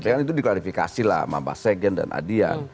tapi kan itu diklarifikasi lah sama mbak segen dan adian